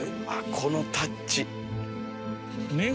このタッチ。